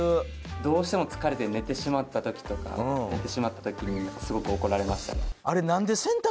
どうしても疲れて寝てしまった時とかやってしまった時にすごく怒られましたね。